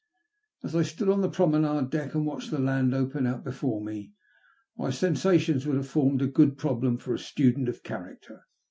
As I stood on the promenade deck and watched the land open out before me, my sensations would have formed a good problem for a student of character.